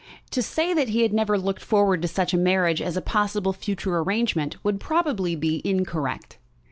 To say that he had never looked forward to such a marriage as a possible future arrangement would probably be incorrect.